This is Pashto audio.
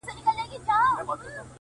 • جنت ځای وي د هغو چي کوي صبر -